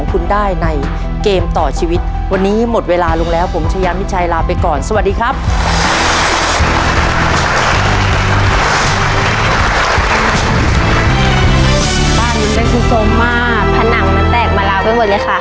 ผนังมันแตกมาแล้วเป็นบทเลยค่ะ